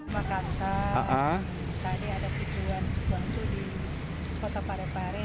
makassar tadi ada kejuan suatu di kota parepare